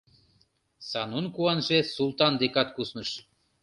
Санун куанже Султан декат кусныш.